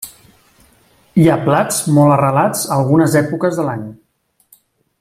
Hi ha plats molt arrelats a algunes èpoques de l'any.